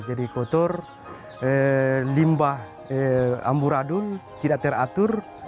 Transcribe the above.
jadi kotor limbah amburadul tidak teratur